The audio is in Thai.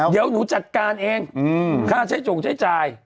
เดี๋ยวหนูจัดการเองค่าใช้จงใช้จ่าย